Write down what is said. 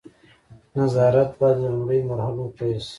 نظارت باید له لومړیو مرحلو پیل شي.